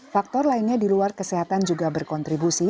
faktor lainnya di luar kesehatan juga berkontribusi